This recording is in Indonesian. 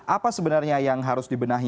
apa sebenarnya yang harus dibenahi